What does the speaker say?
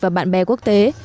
và bạn bè quốc tế